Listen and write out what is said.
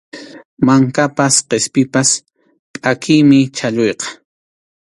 Mankapas qispipas pʼakiymi chhalluyqa.